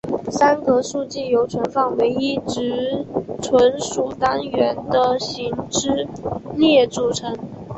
栅格数据由存放唯一值存储单元的行和列组成。